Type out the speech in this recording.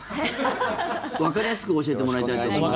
わかりやすく教えてもらいたいと思います。